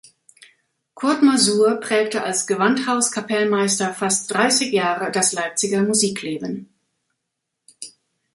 Kurt Masur prägte als Gewandhauskapellmeister fast dreißig Jahre das Leipziger Musikleben.